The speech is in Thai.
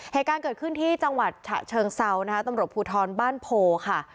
เหตุการณ์เกิดขึ้นที่จังหวัดฉะเชิงเซานะคะตำรวจภูทรบ้านโพค่ะ